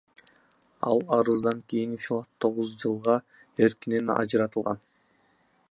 Ал арыздан кийин Филат тогуз жылга эркинен ажыратылган.